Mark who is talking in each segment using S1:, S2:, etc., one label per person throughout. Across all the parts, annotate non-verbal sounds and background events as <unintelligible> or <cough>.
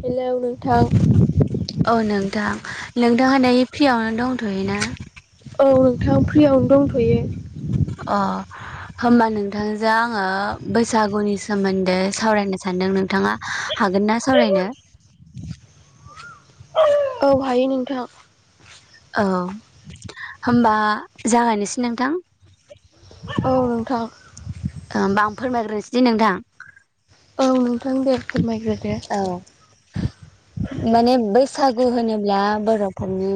S1: Hello नोंथां
S2: नोंथांहा दायो फ्रियावनो दंथ'योना
S1: औ नोंथां फ्रियावनो दंथ'यो
S2: अ होमबा नोंथांजों आंङो बैसागुनि सोमोन्दै सावरायनो सानदों नोंथाङा हागोन ना सावरायनो
S1: औ हायो नोंथां
S2: औ होनबा जागायनोसै नोंथां
S1: औ नोंथां
S2: बा फोरमायग्रोनोसै दे नोंथां
S1: औ नोंथां दे फोरमायग्रो
S2: औ माने बैसागु होनोब्ला बरफोरनि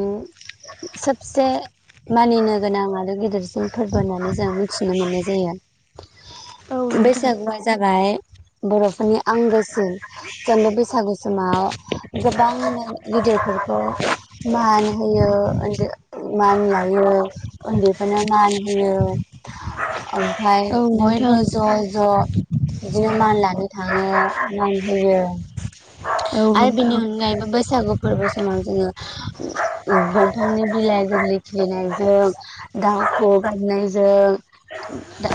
S2: सबसे मानिनो गोनां आरो गिदिरसिन फोरबो होननानै जों मिथिनो मोननाय जायो
S1: औ नोंथां
S2: बैसागुआ जाबाय बर'फोरनि आंगोसिन जों बे बैसागु समाव गोबां माने गिदिरफोरखौ मान होयो। मान लायो उन्दैफोरनो मान होयो ओमफ्राय
S1: औ नोंथां
S2: बयबो ज' ज' बिदिनो मान लानो थाङो मान होयो
S1: औ
S2: आरो बिनि
S1: नोंथां
S2: अनगायैबो बैसागु फोरबो समाव जोङो दंफांनि बिलाइ गोरलै खिलिनायजों दाउखौ गारनायजों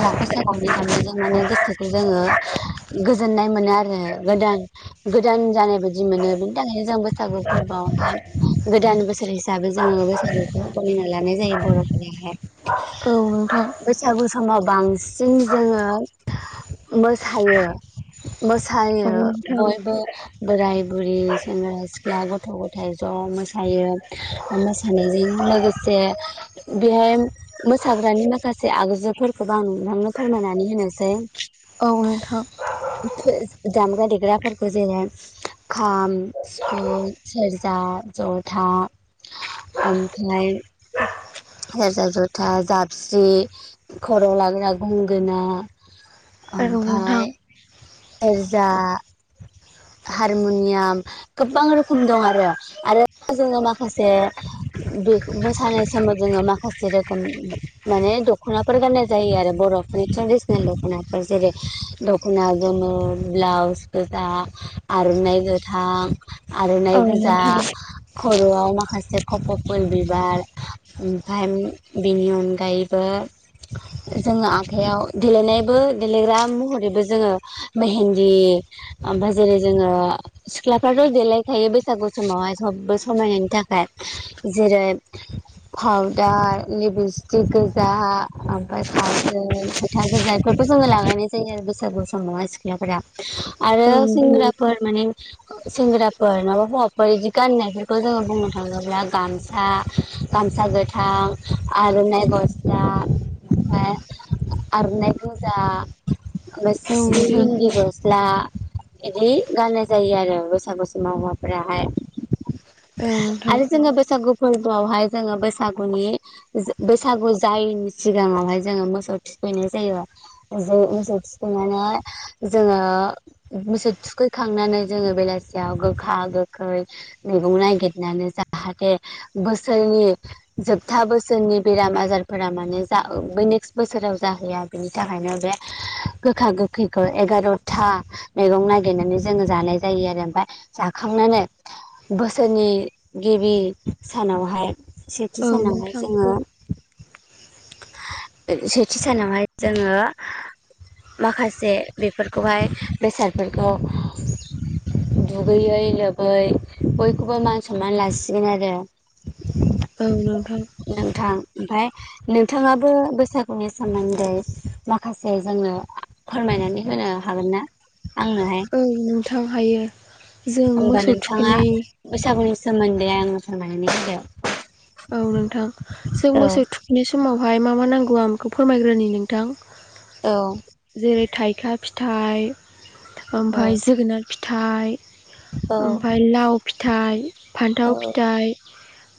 S2: लाफा सायख'नि गामनायजों माने गोसोखौ जोङो गोजोननाय मोनो आरो गोदान गोदान जानाय बायदि मोनो बेनि थाखायनो जों बैसागु फोरबोआवहाय गोदान बोसोर हिसाबै जोङो बैसागुखौ फलिना लानाय जायो बर'फोराहाय
S1: औ नोंथां
S2: बैसागु समाव बांसिन जोङो मोसायो।
S1: औ नोंथां औ
S2: मोसायो
S1: नोंथां
S2: बयबो बोराय बुरि सेंग्रा सिख्ला गथ गथायाइ ज मोसायो आरो मोसानायजों लोगोसे बेहाय मोसाग्रानि माखासे आगजुफोरखौबो आं नोंथांनो फोरमायनानै होनोसै
S1: औ नोंथां
S2: दामग्रा देग्राफोरखौ जोङो खाम सिफुं सेरजा जथा ओमफ्राय सेरजा जथा जाबस्रि खरआव लाग्रा गंगोना ओमफ्राय सेरजा हारमुनियाम गोबां रोखोम दं आरो आरो जोङो माखासे बे मोसानाय समाव जोङो माखासे रोखोम माने दख'नाफोर गाननाय जायो आरो बरफ <unintelligible> थेरदेसनेल दखनाफोर‌ जेरै दखना गोमो ब्राउस गोदा आर'नाइ गोथां
S1: औ नोंथां
S2: आर'नाइ
S1: औ
S2: गोजा
S1: नोंथां
S2: खर'आव माखासे खफ' फुल बिबार ओमफाय बेनि अनगायैबो जोङो आखाइयाव देलेनायबो देलेग्रा महरैबो जोङो मेहेन्दी ओमफाय जेरै जोङो सिख्लाफ्राथ' देलायखायो बैसागु समावहाय सबबो समायनायनि थाखाय जेरै पावदार लिपस्टिक गोजा ओमफ्राय खाराजो खोथा गोजाथ' जोङो लागायनाय जायो आरो बैसागु समाव सिख्लाफोरा आरो
S1: औ नोंथां औ नोंथां
S2: सेंग्राफोर माने सेंग्राफोर माबा हौवाफोर बिदि गाननायफोरखौ जोंङो बुंनो थांङोब्ला गामसा गामसा गोथां आर'नाइ गस्ला ओमफाय आरनाइ गोजा ओम
S1: औ नोंथां
S2: गिन्द गस्ला इदि गाननाय जायो आरो बैसागु समाव हौआफ्राहाय आरो जोंङो बैसागु फोरबोआवहाय जोंङो बैसागुनि बैसागु जायैनि सिगांङावहाय जोंङो मोसौ थुखैनाय जायो मोसौ थुखैनानै जोंङो मोसौ थुखैखांनानै जोंङो बेलासियाव गोखा गोखै मैगं नागिरनानै जाय जाहाथे बोसोरनि जोबथा बोसोरनि बेराम आजारफोरा माने जा ओ नेक्स्ट बोसोराव जाहैया बेनि थाखायनो बे गोखा गोखैखौ एगार'था मैगं नागिरनानै जोंङो जानाय जायो आरो ओमफाय जाखांनानै बोसोरनि गिबि सानावहाय
S1: औ
S2: सेथि सानावहाय
S1: नोंथां
S2: जोंङो सेथि सानावहाय जोंङो माखासे बेफोरखौहाय बेसादफोरखौ दुगैयै लोबै बय खौबो मान सनमान लासिगोन आरो।
S1: औ औ औ
S2: ओमफाय नोंथांङाबो बैसागुनि सोमोन्दै माखासे जोंनो फोरमाय फोरमायनानै होनो हागोना आं नोहाय
S1: औ नोंथां हायो जों मोसौ थुखैनाय
S2: सोमोनदै आंनो फोरमायनानै होदो ।
S1: औ नोंथां जों मोसौ थुखनाय समावहाय मा मा नांगौ आं बेखौ फोरमायग्रोनि नोंथां ।
S2: औ
S1: जेरै थाइखा फिथाइ ओमफाय जोगोनार फिथाइ
S2: औ
S1: ओमफाय लाव फिथाइ फान्थाव फिथाइ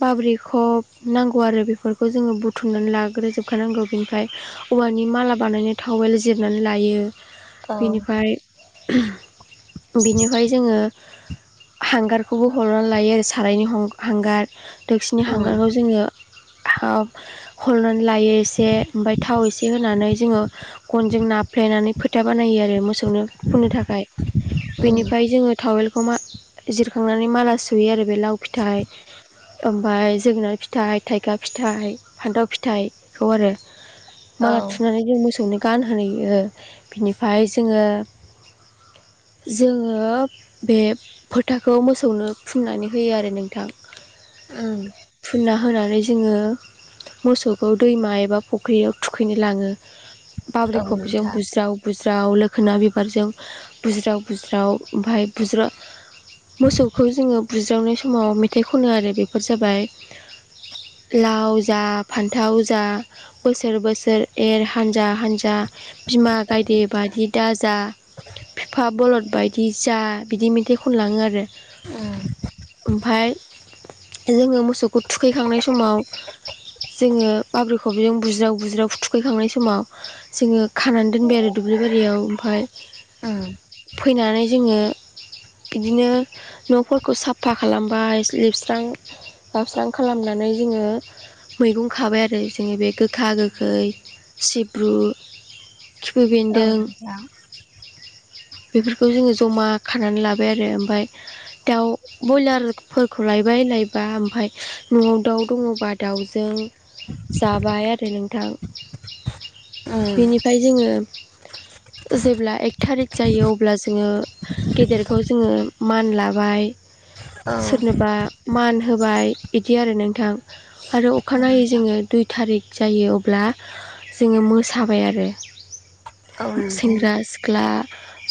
S1: बाब्रि खब नांगौ आरो बेफोरखौ जोंङो बुथुमनानै लाग्रोजोबखानांगौ बेनिफ्राय औवानि माला बानायनो थाव खावबाइल जिरनानै लायो
S2: औ
S1: बिनिफाय बिनिफाय जोंङो हांगारखौबो हरनानै लायो आरो सारायनि हं-हांगार दोसिनि
S2: उम
S1: हांगारखौ ह हल'नि लायो एसे ओमफाय थाव एसे होनानै जोंङो गनजों नाफ्लेनानै फोथा बानायो आरो मोसौनो फुननो थाखाय
S2: उम
S1: बेनिफ्राय जोंङो थावेल खौ मा जिरखांनानै माला सुयो आरो बे लाव फिथाइ ओमफाय जोगोनार फि फिथाइ थाइगा फिथाइ फान्थाव फिथाइखौ आरो
S2: औ
S1: माला थुनानै जों मोसौनो गानहो हैयौ बिनिफ्राय जोंङो
S2: <inaudible>
S1: जोंङो बे फोथाखौ मोसौनो फुननानै होयो आरो नोंथां ।
S2: उम
S1: ना होनानै जोंङो मोसौखौ दैमा एबा फुख्रियाव थुखैनो लांङो।
S2: औ
S1: बाब्रि खबजों
S2: नोंथां
S1: बुज्राव बुज्राव ज्राव लोखोना बिबारजों बुज्राव बुज्राव ओमफाय बुज्रा मोसौखौ जोंङो बुज्रावनाय समाव मेथाइ खनो आरो बेफोर जाबाय
S2: <unintelligible>
S1: लाव जा फान्थाव जा बोसोर बोसोर एर हान्जा हानजा बिमा गायदे बायदि दाजा बिफा बलद बायदि जा बिदि मेथाइ खनलांङो आरो ओमफाय जोंङो मोसौखौ थुखैखांनाय समाव जोंङो बाब्रिखबजों बुज्राव बुज्राव फु थुखैखांनाय समाव जोंङो खानानै दोनबाय आरो दुब्लि बारियाव ओमफाय
S2: उम
S1: फैनानै जोंङो बिदिनो न'फोरखौ साफा खालामबाय लिबस्रां सावस्रां खालामनानै जोंङो मैगं खाबाय आरो जोंङो बे गोखा गोखै सिब्रु,
S2: <inaudible>
S1: खिफि
S2: औ
S1: बेन्दों
S2: नोंथां।
S1: बेफोरखौ जोङो जमा खानानै लाबाय आरो ओमफ्राय दाउ बयलारफोरखौ लायबाय लायबा ओमफ्राय न'आव दाउ दङबा दाउजों जाबाय आरो नोंथां
S2: उम
S1: बेनिफ्राय जोङो जेब्ला एक थारिक जायो अब्ला जोङो गेदेरखौ जोङो मान लाबाय
S2: औ
S1: सोरनोबा मान होबाय। बिदि आरो नोंथां आरो
S2: औ
S1: अखानायै
S2: नोंथां
S1: जोङो दुइ थारिक जायो अब्ला जोङो मोसाबाय आरो।
S2: औ। नोंथां
S1: सेंग्रा सिख्ला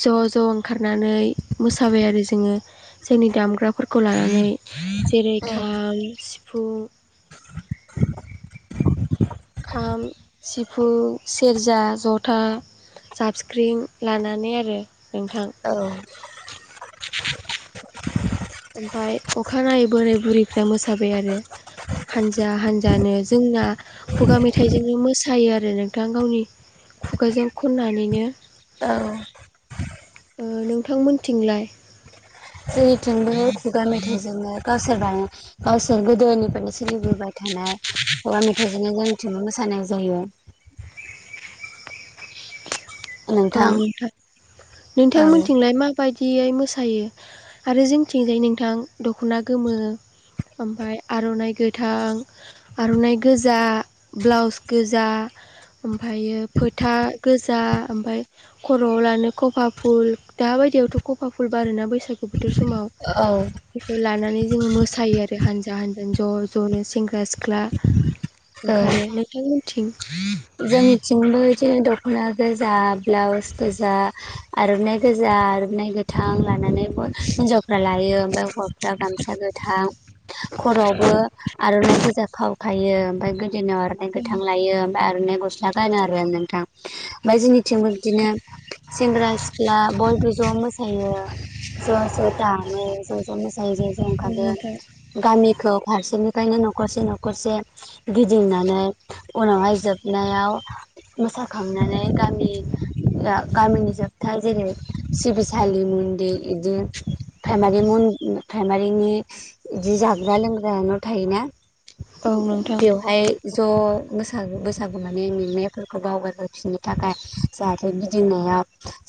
S1: ज' ज' ओंखारनानै मोसाबाय आरो जोङो जेन दामग्राफोरखौ लानानै जेरै
S2: उम
S1: खाम, सिफुं, खाम, सिफुं, सेरजा, जथा, जाबसख्रिं लानानै आरो नोंथां।
S2: <inaudible>
S1: ओमफाय अखानायै बोराय बुरैफ्रा मोसाबाय आरो। हानजा हानजानो जोंना खुगा मेथाइजोंनो मोसायो आरो नोंथां गावनि खुगाजों खननानैनो
S2: औ।
S1: ओ नोंथांमोनथिंलाय।
S2: जेनिथिंबो खुगा मेथाइजोंनो गावसोरबा गावसोर गोदोनिफ्रायनो सो सोलिबोबाय थानाय खुगा मेथाइजोंनो जोंथिनो मोसानाय जायो।
S1: औ नोंथां
S2: औ
S1: नोंथांमोनथिंलाय माबायद दियै मोसायो? आरो जोंथिंजाय नोंथां दख'ना गोमो ओमफाय आर'नाइ गोथां आर'नाइ गोजा ब्लाउस गोजा ओमफायो फोथा गोजा ओमफाय खर'आव लानो खफा फुल दा बायदियावथ' कफा फुल बारोना बैसागु बोथोर स समाव
S2: औ
S1: बेखौ लाना नै जोङो मोसायो आरो हानजा हानजानो ज' ज'नो सेंग्रा सिख्ला
S2: औ
S1: ओंखारो नोंथांमोनथिं
S2: जोंनिथिंबो इदिनो दख'ना गोजा ब्लाउस गोजा आर'नाय गोजा आर'नाय गोथां लानानै हिनजावफ्रा लायो ओमफाय हौवाफ्रा गामसा गोथां खर'आवबो आर'नाइ गोजा खाव खायो ओमफाय ओमफफ्राय गोदोनायाव आ'रनाय
S1: औ
S2: गोथां लायो ओमफ्राय आर'नाय गस्ला गानो आरो नोंथां। ओमफ्राय जोंनिथिंबो बिदिनो सेंग्रा सिख्ला बयबो ज' मोसायो। ज' ज' दामो ज' ज' मोसायो ज' ज' ओंखारो
S1: नोंथां
S2: गामिखौ फारसे फ्रायनो न'खरसे न'खरसे गिदिंनानै उनावहाय जोब नायाव मोसाखांनानै गामि गामिनि जोबथा जेरै सिबसालि मन्दिर इदि प्राइमारि मन उम प्राइमारिनि इदि जाग्रा लोंग्रा न' थायोना।
S1: औ नोंथां।
S2: बेवहाय ज' मोसागो बोस सागु माने मेंनायफोरखौ बावगारहोफिननो थाखाय जाहाथे गिदिंनाया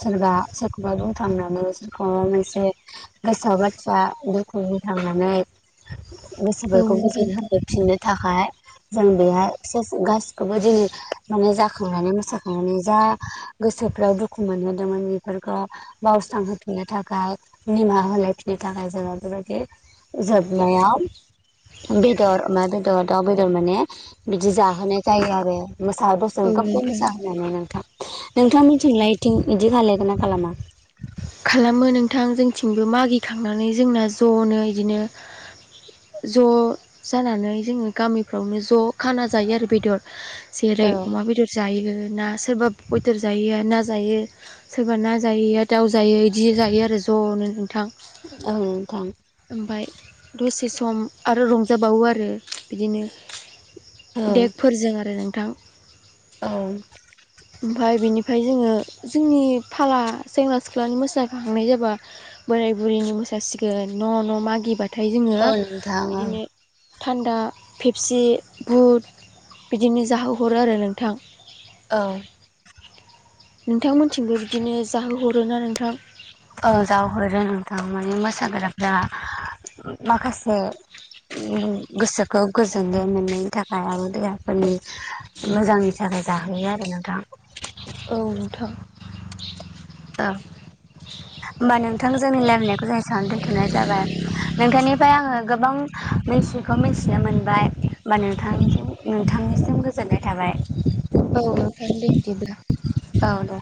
S2: सोरबा सोर खुगाजों थांनानै सोरखौबा मोनसे गोसोआव बाथ्रा बुरखांनो थांनानै गोसोफोरखौ
S1: नोंथां
S2: गोजोन होबोफिननो थाखाय जों बेहाय सेस गास खौबो दिनै माने जाखांनानै मोसाखांनानै जा गोसोफ्राव दुखु मोनहोदोंमोन बेफोर बावस्रांहोफिननो थाखाय निमाहा होलायफिननो थाखाय जोङो बेबायदि जोबनायाव बेदर अमा बेदर दाउ बेदर माने बिदि जाहोनाय जायो आरो मोसा
S1: औ नोंथां
S2: <unintelligible> नोंथा नोंथा मिथिंलायथिं बिदि खालाय ना खालामा
S1: खालामो नोंथां जोंथिंबो मागिखांनानै जोंना ज'नो बिदिनो ज' जानानै जोङो गामिफ्रावनो ज' खाना जायो आरो बेदर जेरै
S2: औ
S1: अमा बेदर जायो ओ ना सोरबा बयदर‌ जायैया ना जायो सोरबा ना जायैया दाउ जायो बिदि जायो आरो ज'नो नोंथां
S2: औ नोंथां
S1: ओमफाय दसे सम आरो रंजाबावो आरो बिदिनो
S2: औ
S1: देकफोरजों आरो नोंथां
S2: औ
S1: ओमफाय बेनिफ्राय जोङो जोंनि फाला सेंग्रा सिख्लानि मोसाखांनाय जाबा बोराय बुरिनि मोसासिगोन न' न' मागिबा नाथाय
S2: औ
S1: जोङो
S2: नोंथां औ
S1: बिदिनो थान्दा फेपसि बुट बिदिनो जाहोहरो आरो नोंथां
S2: औ
S1: नोंथांमोनथिंबो बिदिनो जाहोहरोना नोंथां
S2: ओ जाहोहरो नोंथां माने मोसाग्राफ्रा माखासे उम गोसोखौ गोजोननाय मोननायनि थाखाय आरो देहाफोरनि मोजांनि थाख जाहोयो आरो नोंथां
S1: औ नोंथां
S2: औ होमबा नोंथां जोंनि रायलायनायखौ जों एसेयावनो दोनथ'नाय जाबाय नोंथांनिफ्राय आङो गोबां मोस बेखौ मिन्थिनो मोनबाय बा नों नोंथांनिसिम गोजोननाय थाबाय
S1: औ नोंथां दे बिदिब्ला
S2: औ दे